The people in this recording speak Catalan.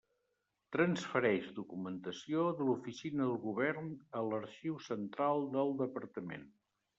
Transfereix documentació de l'Oficina del Govern a l'Arxiu Central del Departament.